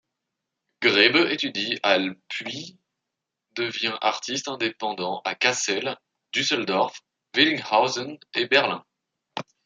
Grebe étudie à l' puis devient artiste indépendant à Cassel, Düsseldorf, Willingshausen et Berlin.